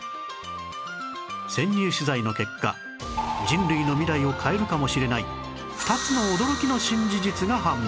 潜入取材の結果人類の未来を変えるかもしれない２つの驚きの新事実が判明！